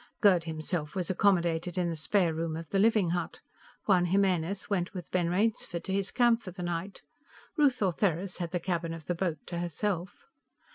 Gerd himself was accommodated in the spare room of the living hut. Juan Jimenez went with Ben Rainsford to his camp for the night. Ruth Ortheris had the cabin of the boat to herself.